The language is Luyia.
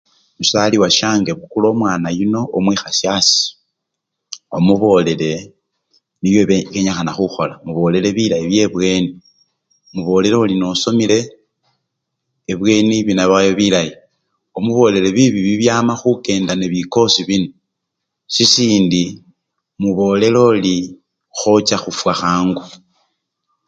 Musali wasyange, bukula omwana yuno omwikhasye asii omubolele nibe1 kenyikhana khukhola, mubolele bilayi byebweni, mubolile oli nosomile ebweni binabayo bilayi, omubolile bibi bibyama mukhukenda nebikosi bino, sisindi, mubolile oli khocha khufwa khangu.